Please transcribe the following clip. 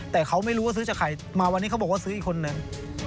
แต่เขาไม่รู้ว่าซื้อจากใครมาวันนี้เขาบอกว่าซื้ออีกคนนึง